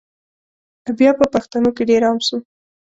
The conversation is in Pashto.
بیا په پښتنو کي ډېر عام سو